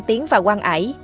tiến vào quang ải